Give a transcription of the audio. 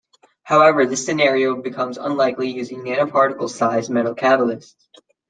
However, this scenario becomes unlikely using nanoparticle-sized metal catalysts.